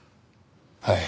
はい。